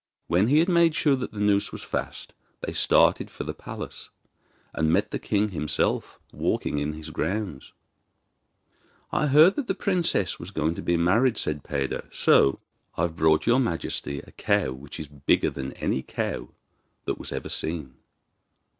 When he had made sure that the noose was fast they started for the palace, and met the king himself walking in his grounds. 'I heard that the princess was going to be married,' said Peder, 'so I've brought your majesty a cow which is bigger than any cow that was ever seen.